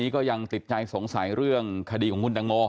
ก็ยังติดใจสงสัยเรื่องคดีของคุณตังโม